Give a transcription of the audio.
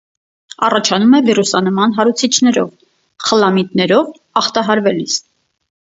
Առաջանում է վիրուսանման հարուցիչներով՝ խլամիդներով ախտահարվելիս։